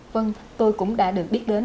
vâng tôi cũng đã được biết đến